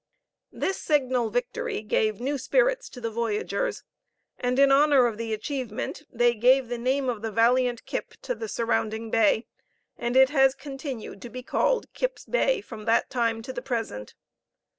This signal victory gave new spirits to the voyagers, and in honor of the achievement they gave the name of the valiant Kip to the surrounding bay, and it has continued to be called Kip's Bay from that time to the present.